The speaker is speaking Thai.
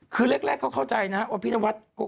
คือแรกเขาเข้าใจนะว่าพี่นวัด